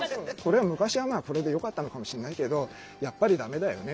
「昔はこれでよかったのかもしれないけどやっぱりダメだよね」